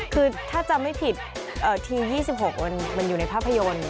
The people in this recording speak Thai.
คือถ้าจำไม่ผิดที๒๖มันอยู่ในภาพยนตร์